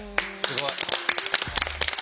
すごい。